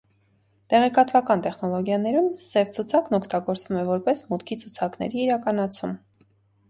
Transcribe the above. Տեղեկատվական տեխնոլոգիաներում սև ցուցակն օգտագործվում է որպես մուտքի ցուցակների իրականացում։